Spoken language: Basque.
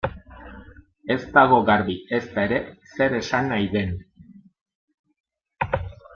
Ez dago garbi, ezta ere, zer esan nahi den.